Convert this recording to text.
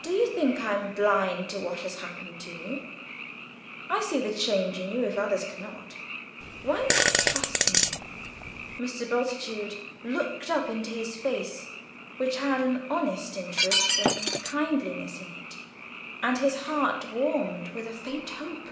Do you think I'm blind to what has happened to you? I can see the change in you if others cannot. Why not trust me?" Mr. Bultitude looked up into his face, which had an honest interest and kindliness in it, and his heart warmed with a faint hope.